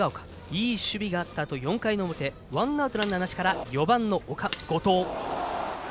いい守備があったあと、４回の表ワンアウト、ランナーなしから４番の後藤。